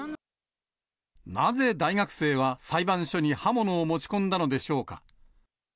なぜ大学生は裁判所に刃物を持ち込んだのでしょうか。